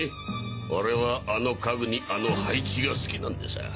俺はあの家具にあの配置が好きなんでさあ。